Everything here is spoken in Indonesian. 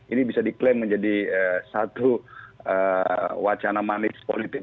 ini bisa diklaim menjadi satu wacana manis politik